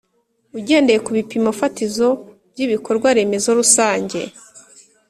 Ugendeye ku bipimo fatizo by’ibikorwa remezo rusange